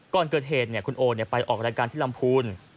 ก่อนเกิดเหตุคุณโอไปออกรายการที่ลำพูน